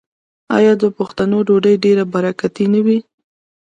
آیا د پښتنو ډوډۍ ډیره برکتي نه وي؟